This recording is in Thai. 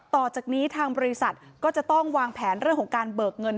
ต่อจากนี้ทางบริษัทก็จะต้องวางแผนเรื่องของการเบิกเงิน